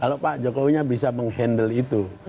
kalau pak jokowinya bisa menghandle itu